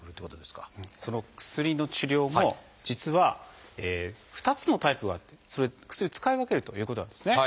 その薬の治療も実は２つのタイプがあって薬を使い分けるということなんですね。